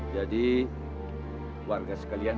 jadi warga sekalian